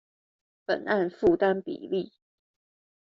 本案負擔比例